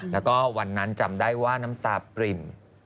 แล้วก็วันนั้นจำได้ว่าน้ำตาปริ่ม